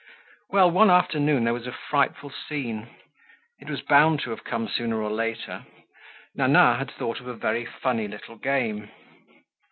Well, one afternoon there was a frightful scene. It was bound to have come sooner or later. Nana had thought of a very funny little game.